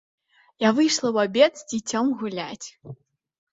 Я выйшла ў абед з дзіцем гуляць.